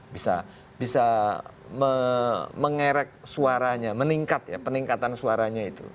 bisa mengerek suaranya meningkat ya peningkatan suaranya itu